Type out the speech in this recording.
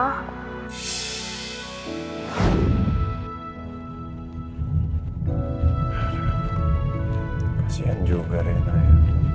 kasian juga rena ya